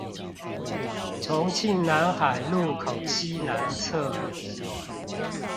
重慶南海路口西南側